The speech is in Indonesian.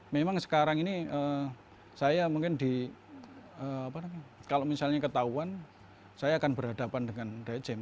memang sekarang ini saya mungkin di kalau misalnya ketahuan saya akan berhadapan dengan rejim